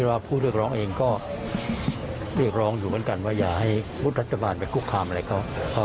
อยากทราบต่้องก็ถูกก่อนเลยก็ขอเห็นว่าแต่ละแต่ละบาทอยากไปพูดข้ามและกันครับ